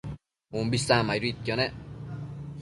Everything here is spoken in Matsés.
umbi isacmaiduidquio nec